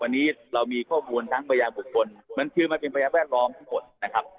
วันนี้เรามีข้อมูลทั้งพยานบุคคลมันคือมันเป็นพยานแวดล้อมทั้งหมดนะครับ